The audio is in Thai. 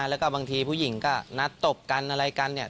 แล้วก็บางทีผู้หญิงก็นัดตบกันอะไรกันเนี่ย